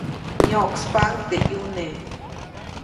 Myoʼkspaʼuŋ teʼ ʼyune.